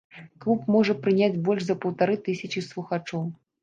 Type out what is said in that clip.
Клуб можа прыняць больш за паўтары тысячы слухачоў.